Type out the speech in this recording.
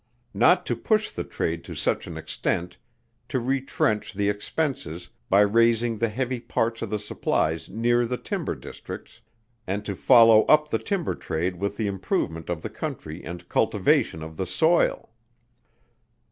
Not to push the trade to such an extent to retrench the expenses, by raising the heavy parts of the supplies near the timber districts; and to follow up the timber trade with the improvement of the country and cultivation of the soil.